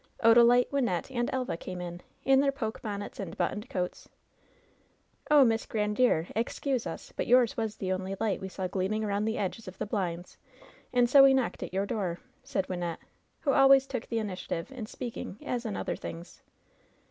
Odalite, Wynnette and Elva came in, in their poke bonnets and buttoned coats. "Oh, Miss Grandiere, excuse us, but yours was the only light we saw gleaming aroimd the edges of the blinds, and so we knocked at your door," said Wynnette, who always took the initiative in speaking, as in other things.